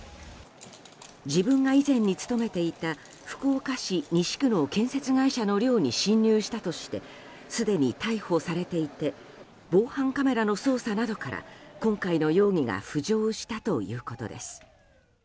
自分が以前に勤めていた福岡市西区の建設会社の寮に侵入したとしてすでに逮捕されていて防犯カメラの捜査などから今回の容疑が浮上したということです。